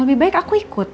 lebih baik aku ikut